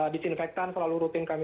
disinfektan selalu rutin kami